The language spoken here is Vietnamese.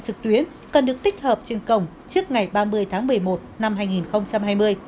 trực tuyến cần được tích hợp trên cổng trước ngày ba mươi tháng một mươi một năm hai nghìn hai mươi